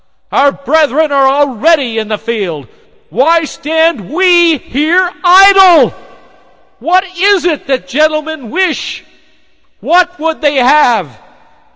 Our brethren are already in the field! Why stand we here idle? What is it that gentlemen wish? What would they have?